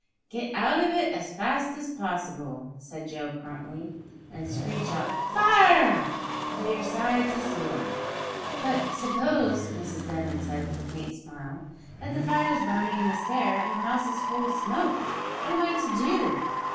"Get out of it as fast as possible," said Joe promptly, "an' screech out fire! till yer sides is sore." "But suppose," said Mrs Denman, with a faint smile, "that the fire is burning in the stair, and the house full of smoke, what am I to do?"